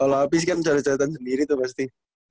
kalo hafiz kan coret coretan sendiri tuh pasti